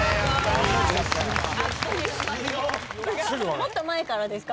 もっと前からですか？